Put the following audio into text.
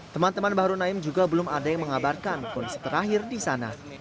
teman teman bahru naim juga belum ada yang mengabarkan kondisi terakhir di sana